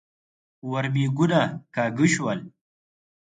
ورمېږونه کاږه شول.